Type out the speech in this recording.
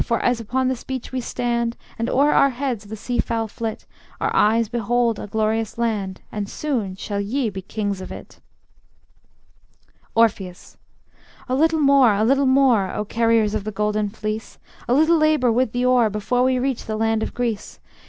For as upon this beach we stand, And o'er our heads the sea fowl flit, Our eyes behold a glorious land, And soon shall ye be kings of it. Orpheus: A little more, a little more, O carriers of the Golden Fleece, A little labor with the oar, Before we reach the land of Greece.